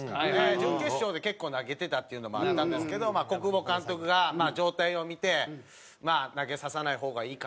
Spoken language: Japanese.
準決勝で結構投げてたっていうのもあったんですけど國保監督が状態を見てまあ投げささない方がいいかなという。